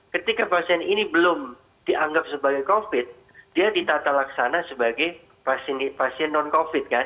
ketika pasien ini belum dianggap sebagai covid dia ditata laksana sebagai pasien non covid kan